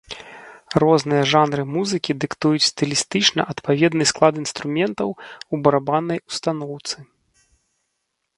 Розныя жанры музыкі дыктуюць стылістычна адпаведны склад інструментаў у барабаннай устаноўцы.